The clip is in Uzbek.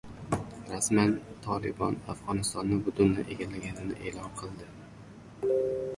Rasman! "Tolibon" Afg‘onistonni butunlay egallaganini e’lon qildi